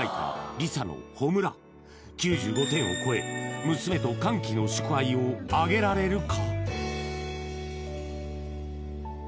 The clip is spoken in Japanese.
ＬｉＳＡの「炎」９５点を超え娘と歓喜の祝杯をあげられるか？